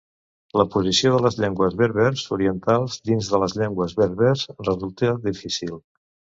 La posició de les llengües berbers orientals dins de les llengües berbers resulta difícil.